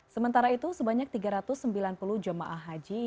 sementara itu sebanyak tiga ratus sembilan puluh jemaah haji